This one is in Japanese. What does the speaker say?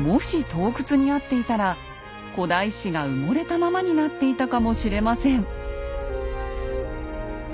もし盗掘にあっていたら古代史が埋もれたままになっていたかもしれません。